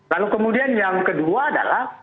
lalu kemudian yang kedua adalah